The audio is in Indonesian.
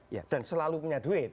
ya dan selalu punya duit